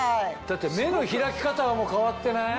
だって目の開き方も変わってない？